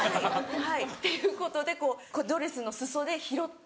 はいっていうことでドレスの裾で拾って。